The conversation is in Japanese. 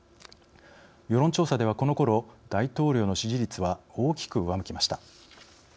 世論調査ではこのころ、大統領の支持率は大きく上向きました。